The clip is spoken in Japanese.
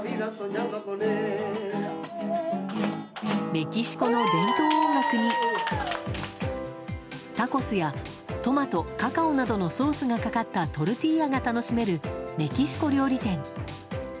メキシコの伝統音楽にタコスやトマト、カカオなどのソースがかかったトルティーヤが楽しめるメキシコ料理店。